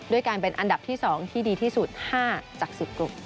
ด้วยการเป็นอันดับที่๒ที่ดีที่สุด๕จาก๑๐กลุ่ม